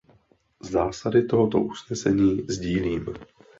Zásady tohoto usnesení sdílím.